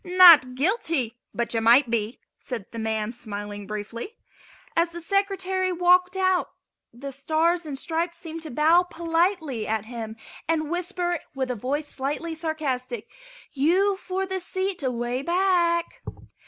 "Not guilty, but you might be," said the man, smiling briefly. As the Secretary walked out the Stars and Stripes seemed to bow politely at him and whisper with a voice slightly sarcastic: "You for the seat away back!"